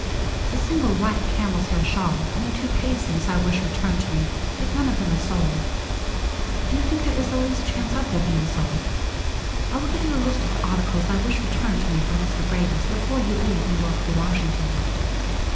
The single white camel's hair shawl and the two Paisleys I wish returned to me, if none of them are sold. Do you think there is the least chance of their being sold? I will give you a list of the articles I wish returned to me from Mr. Brady's before you leave New York for Washington.